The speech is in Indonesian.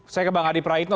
saya ke bang adi praitno